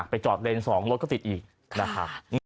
จอดเลนส์๒รถก็ติดอีกนะครับ